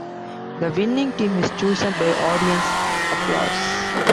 The winning team is chosen by audience applause.